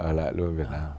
ở lại luôn việt nam